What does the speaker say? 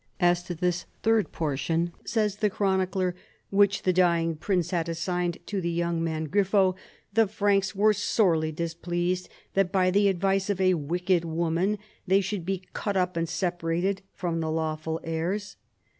" As to this third portion," says the chronicler, " which the dying prince had assigned to the young man Grifo, the Franks were sorely displeased that by the advice of a wicked woman they should be cut up and separated from the lawful heirs.